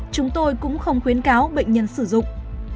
chúng tôi cũng không khuyến cáo bệnh nhân sử dụng